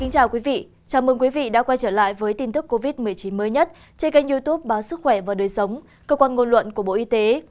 chào mừng quý vị đã quay trở lại với tin tức covid một mươi chín mới nhất trên kênh youtube báo sức khỏe và đời sống cơ quan ngôn luận của bộ y tế